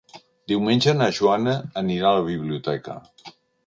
Diumenge na Joana anirà a la biblioteca.